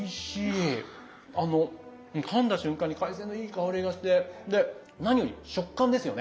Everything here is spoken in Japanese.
あのかんだ瞬間に海鮮のいい香りがしてで何より食感ですよね。